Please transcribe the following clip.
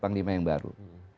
panglima yang baru